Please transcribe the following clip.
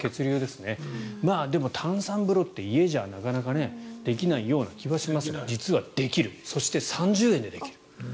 ただ、炭酸風呂って、家ではなかなかできないと思いますが実はできるそして、３０円できる。